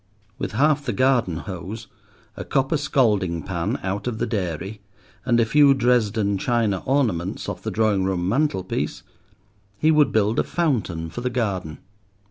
With half the garden hose, a copper scalding pan out of the dairy, and a few Dresden china ornaments off the drawing room mantelpiece, he would build a fountain for the garden.